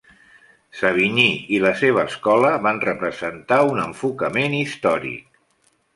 Savigny i la seva escola van representar un enfocament històric.